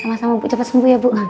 sama sama bu cepat sembuh ya bu